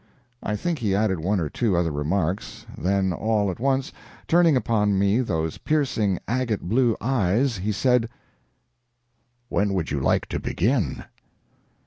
I think he added one or two other remarks, then all at once, turning upon me those piercing agate blue eyes, he said: "When would you like to begin?"